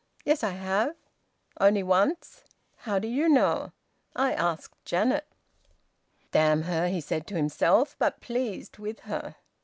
"Yes, I have." "Only once." "How do you know?" "I asked Janet." "Damn her!" he said to himself, but pleased with her.